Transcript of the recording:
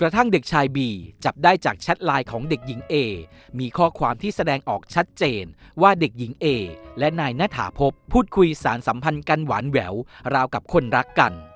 ทั้งเด็กชายบีจับได้จากแชทไลน์ของเด็กหญิงเอมีข้อความที่แสดงออกชัดเจนว่าเด็กหญิงเอและนายณฐาพบพูดคุยสารสัมพันธ์กันหวานแหววราวกับคนรักกัน